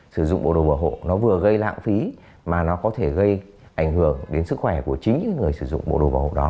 sử dụng bộ đồ bảo hộ nó vừa gây lãng phí mà nó có thể gây ảnh hưởng đến sức khỏe của chính những người sử dụng bộ đồ bảo hộ đó